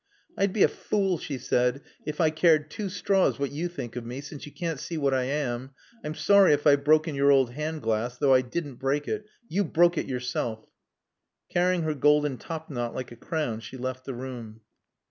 "I'd be a fool," she said, "if I cared two straws what you think of me, since you can't see what I am. I'm sorry if I've broken your old hand glass, though I didn't break it. You broke it yourself." Carrying her golden top knot like a crown, she left the room.